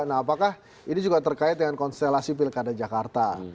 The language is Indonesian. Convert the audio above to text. nah apakah ini juga terkait dengan konstela sipil kedai jakarta